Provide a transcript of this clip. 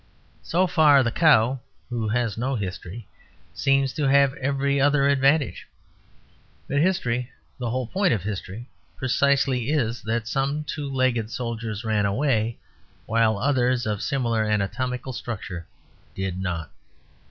So far the cow (who has no history) seems to have every other advantage. But history the whole point of history precisely is that some two legged soldiers ran away while others, of similar anatomical structure, did not.